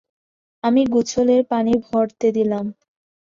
আমি গোসলের পানি ভরতে দিলাম।